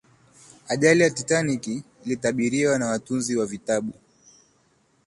ajali ya titanic ilitabiriwa na watunzi wa vitabu